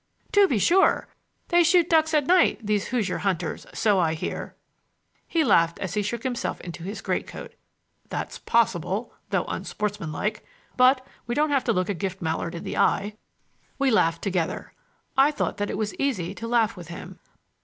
"To be sure! They shoot ducks at night,—these Hoosier hunters,—so I hear!" He laughed as he shook himself into his greatcoat. "That's possible, though unsportsmanlike. But we don't have to look a gift mallard in the eye." We laughed together. I found that it was easy to laugh with him.